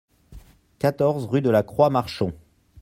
quatorze rue de la Croix Marchon